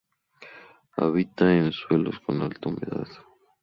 Habita en suelos con alta humedad.